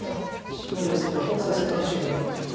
白のヨセが各所でうまくて。